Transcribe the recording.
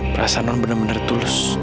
perasaan benar benar tulus